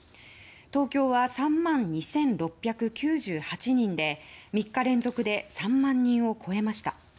東京は３万２６９８人で３日連続で３万人を超えました。